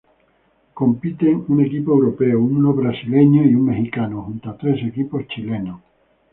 Compiten un equipo europeo, un brasileño y un mexicano, junto a tres equipos chilenos.